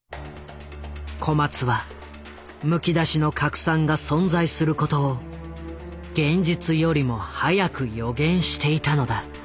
小松は「むきだしの核酸」が存在することを現実よりも早く予言していたのだ。